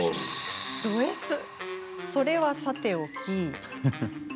それはさておき。